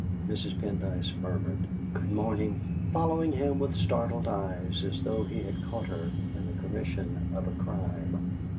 Mrs. Pendyce murmured "Good morning," following him with startled eyes, as though he had caught her in the commission of a crime.